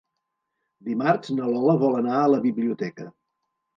Dimarts na Lola vol anar a la biblioteca.